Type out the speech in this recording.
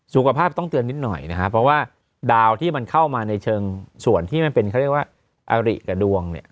สุขภาพต้องเตือนนิดหน่อยนะครับเพราะว่าดาวที่มันเข้ามาในเชิงส่วนที่มันเป็นเขาเรียกว่าอริกับดวงเนี่ย